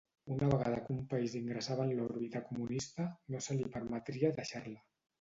Una vegada que un país ingressava en l'òrbita comunista, no se li permetria deixar-la.